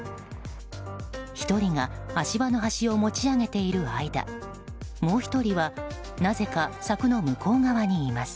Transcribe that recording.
１人が足場の端を持ち上げている間もう１人は、なぜか柵の向こう側にいます。